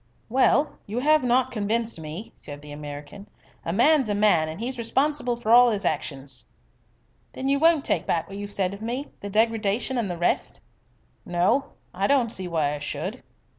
"Well, you have not convinced me," said the American. "A man's a man, and he's responsible for all his actions." "Then you won't take back what you said of me the degradation and the rest?" "No, I don't see why I should."